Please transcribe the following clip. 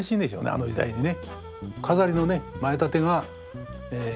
あの時代にね。